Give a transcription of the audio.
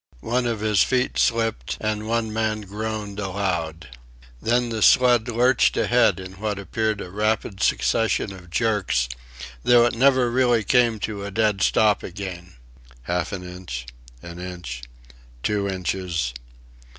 One of his feet slipped, and one man groaned aloud. Then the sled lurched ahead in what appeared a rapid succession of jerks, though it never really came to a dead stop again...half an inch...an inch... two inches...